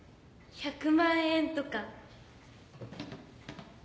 １００万円とか？